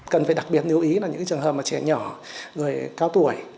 cần phải đặc biệt nếu ý là những trường hợp trẻ nhỏ người cao tuổi